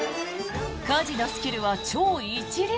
家事のスキルは超一流！